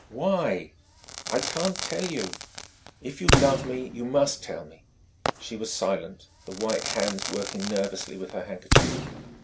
"Why?" "I can't tell you." "If you love me, you must tell me." She was silent, the white hands working nervously with her handkerchief.